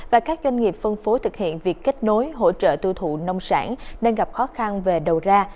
và hiện việc kết nối hỗ trợ tư thụ nông sản đang gặp khó khăn về đầu ra